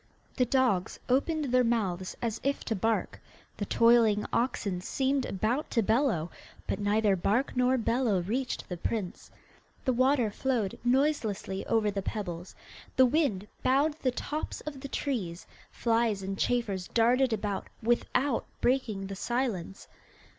The dogs opened their mouths as if to bark, the toiling oxen seemed about to bellow, but neither bark nor bellow reached the prince. The water flowed noiselessly over the pebbles, the wind bowed the tops of the trees, flies and chafers darted about, without breaking the silence.